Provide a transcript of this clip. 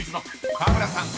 河村さん］